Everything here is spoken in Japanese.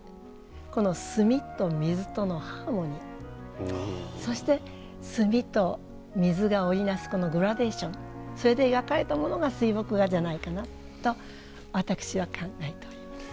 この墨と水とのハーモニーそして墨と水が織り成すグラデーションそれで描かれたものが水墨画じゃないかなと私は考えております。